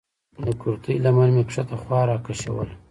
د کورتۍ لمن مې کښته خوا راکښوله.